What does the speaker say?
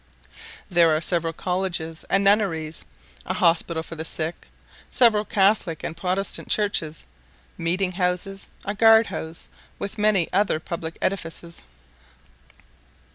There are several colleges and nunneries, a hospital for the sick, several Catholic and Protestant churches, meeting houses, a guard house, with many other public edifices.